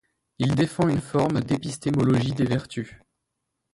Il défend une forme d'épistémologie des vertus.